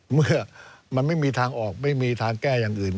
เมื่อมันไม่มีทางออกไม่มีทางแก้อย่างอื่น